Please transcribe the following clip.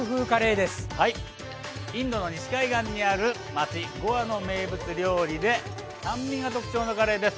インドの西海岸にある町ゴアの名物料理で酸味が特徴のカレーです。